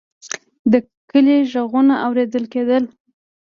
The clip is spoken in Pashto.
د کلي غږونه اورېدل کېدل.